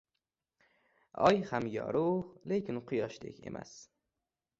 • Oy ham yorug‘, lekin Quyoshdek emas.